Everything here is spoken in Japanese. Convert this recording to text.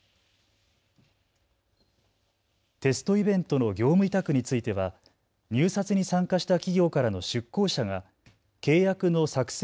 テストイベントの業務委託については入札に参加した企業からの出向者が契約の作成